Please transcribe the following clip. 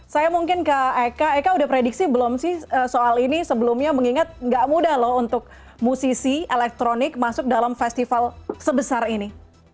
saya mungkin ke eka eka udah prediksi belum sih soal ini sebelumnya mengingat nggak mudah loh untuk musisi elektronik masuk dalam festival sebesar ini